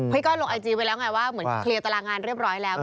ก็ลงไอจีไปแล้วไงว่าเหมือนเคลียร์ตารางงานเรียบร้อยแล้ว